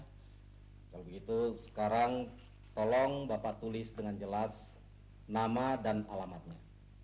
kalau begitu sekarang tolong bapak tulis dengan jelas nama dan alamatnya